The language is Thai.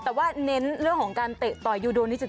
นี่หลายคนแบบงงไว้มันคืออะไร